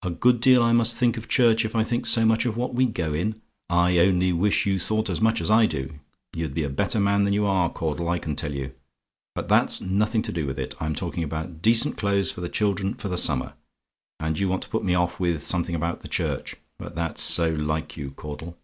"A GOOD DEAL I MUST THINK OF CHURCH, IF I THINK SO MUCH OF WHAT WE GO IN? "I only wish you thought as much as I do, you'd be a better man than you are, Caudle, I can tell you; but that's nothing to do with it. I'm talking about decent clothes for the children for the summer, and you want to put me off with something about the church; but that's so like you, Caudle!